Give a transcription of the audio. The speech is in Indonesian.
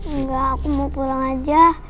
enggak aku mau pulang aja